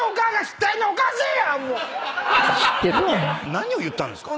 何を言ったんですか？